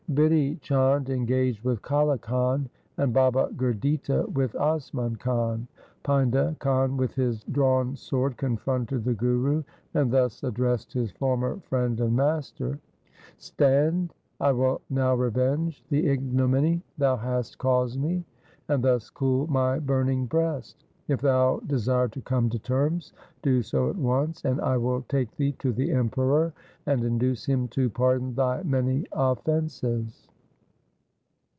Bidhi Chand engaged with Kale Khan, and Baba Gurditta with Asman Khan. Painda Khan with his drawn sword confronted the Guru, 2 o8 THE SIKH RELIGION and thus addressed his former friend and master, ' Stand, I will now revenge the ignominy thou hast caused me, and thus cool my burning breast. If thou desire to come to terms, do so at once, and I will take thee to the Emperor and induce him to pardon thy many offences.'